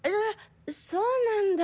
そそうなんだ。